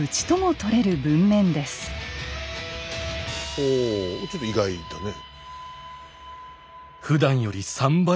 ほうちょっと意外だね。